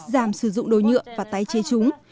giảm sử dụng đồ nhựa và tái chế chúng